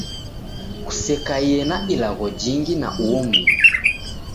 Kusekaie na ilagho jingi na uo mundu.